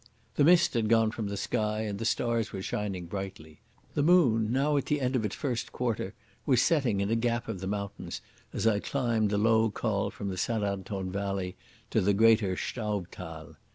The mist had gone from the sky, and the stars were shining brightly. The moon, now at the end of its first quarter, was setting in a gap of the mountains, as I climbed the low col from the St Anton valley to the greater Staubthal.